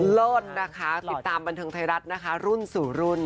เลิศนะคะติดตามบันเทิงไทยรัฐนะคะรุ่นสู่รุ่น